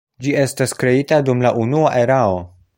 Ĝi estas kreita dum la Unua Erao.